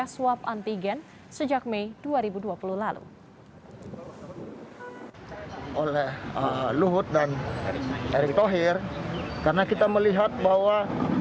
swab antigen sejak mei dua ribu dua puluh lalu oleh luhut dan erick thohir karena kita melihat bahwa